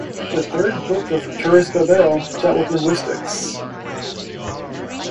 The third book of "Turris Babel" dealt with linguistics.